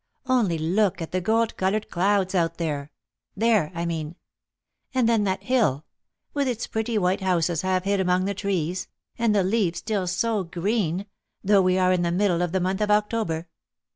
Only look at the gold coloured clouds out there there, I mean; and then that hill, with its pretty white houses half hid among the trees, and the leaves still so green, though we are in the middle of the month of October.